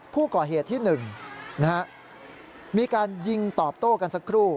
ผู้ก่อเหตุที่๑มีการยิงตอบโต้กันสักครู่